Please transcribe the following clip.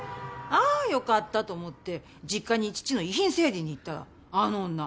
あーよかったと思って実家に父の遺品整理に行ったらあの女